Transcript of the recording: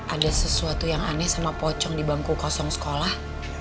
ada sesuatu yang aneh sama pocong di bangku kosong sekolah